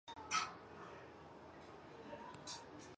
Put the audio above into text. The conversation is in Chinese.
这样理工高校就和大学有了相同的地位。